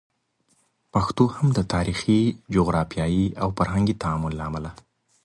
پښتو هم د تاریخي، جغرافیایي او فرهنګي تعامل له امله